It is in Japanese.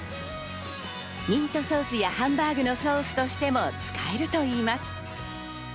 ミートソースやハンバーグのソースとしても使えるといいます。